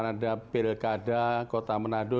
ada pilkada kota menado